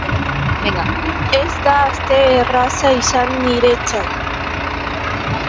Ez da aste erraza izan niretzat.